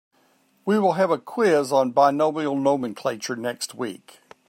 We will have a quiz on binomial nomenclature next week.